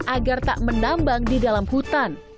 agar tak menambang di dalam hutan